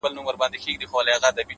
ستا پر مخ د وخت گردونو کړی شپول دی!